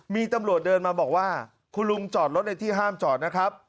มีตำรวจเดินมาบอกว่าคุณลุงจอดรถในที่ห้ามจอดนะครับ